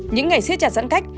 những ngày siết chặt giãn cách